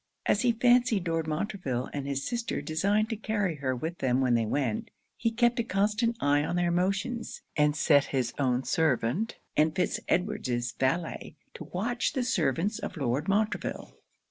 As he fancied Lord Montreville and his sister designed to carry her with them when they went, he kept a constant eye on their motions, and set his own servant, and Fitz Edward's valet, to watch the servants of Lord Montreville.